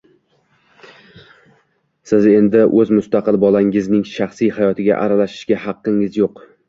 Siz endi o‘z mustaqil bolangizning shaxsiy hayotiga aralashishga haqqingiz yo‘q.